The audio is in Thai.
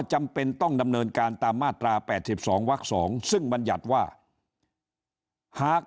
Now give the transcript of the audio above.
จำเป็นต้องดำเนินการตามมาตรา๘๒วัก๒ซึ่งบรรยัติว่าหาก